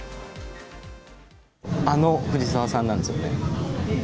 あの藤澤さんなんですよね？